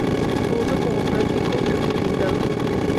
Su uso como plástico es muy limitado.